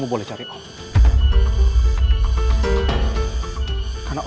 n domestik itu tahu